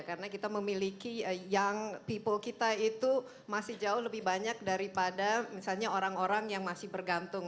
karena kita memiliki yang people kita itu masih jauh lebih banyak daripada misalnya orang orang yang masih bergantung